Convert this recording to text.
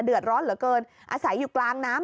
เดือดร้อนเหลือเกินอาศัยอยู่กลางน้ำ